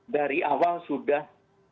dari awal sudah